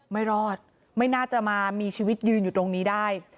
ไม่รอดไม่น่าจะมามีชีวิตยืนอยู่ตรงนี้ได้